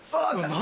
何？